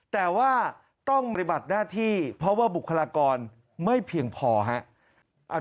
แต่ว่าต้องปฏิบัติหน้าที่เพราะว่าบุคลากรไม่เพียงพอครับ